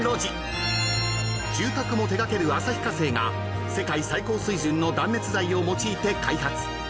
［住宅も手掛ける旭化成が世界最高水準の断熱材を用いて開発］